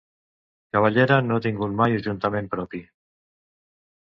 Cavallera no ha tingut mai ajuntament propi.